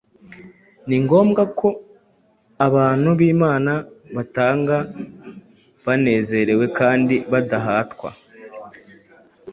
ni ngombwa ko abantu b’Imana batanga banezerewe kandi badahatwa.